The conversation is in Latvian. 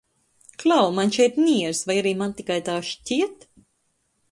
Klau, man šeit niez, vai arī man tikai tā šķiet?